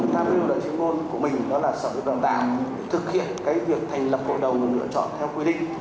tham dự đoạn chuyên môn của mình đó là sở vực đào tạo để thực hiện cái việc thành lập bộ đầu lựa chọn theo quy định